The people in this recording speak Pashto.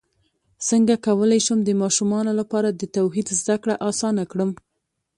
څنګه کولی شم د ماشومانو لپاره د توحید زدکړه اسانه کړم